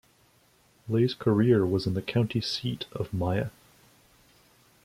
Lay's career was in the county seat of Maya.